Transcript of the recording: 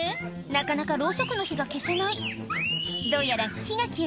なかなかろうそくの火が消せないきゃ！